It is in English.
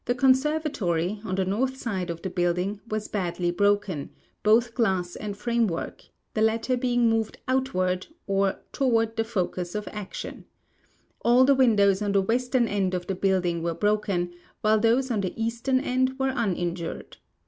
'file conservatory, on the north side of the building, was badly broken, both glass and framewctrk, the latter being movi'd out 248 THE ABERRATION OF SOUND ward, or toward the focus of action. All the windows on the western end of the building were broken, while those on the eastern end were uninjured.